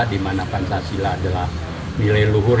dimana pancasila adalah nilai luhur